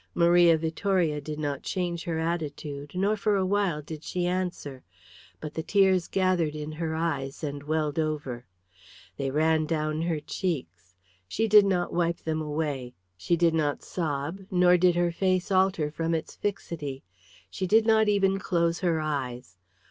Maria Vittoria did not change her attitude, nor for a while did she answer, but the tears gathered in her eyes and welled over. They ran down her cheeks; she did not wipe them away, she did not sob, nor did her face alter from its fixity. She did not even close her eyes.